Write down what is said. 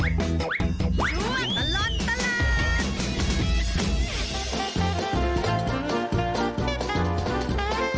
ช่วยตลอดตลาด